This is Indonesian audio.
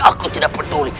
aku tidak peduli